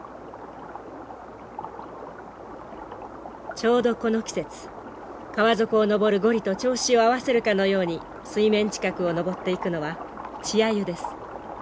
ちょうどこの季節川底を上るゴリと調子を合わせるかのように水面近くを上っていくのは稚アユです。